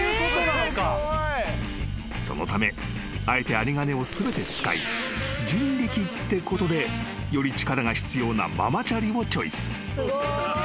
［そのためあえて有り金を全て使い人力ってことでより力が必要なママチャリをチョイス］